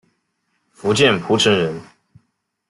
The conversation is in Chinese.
福建浦城人。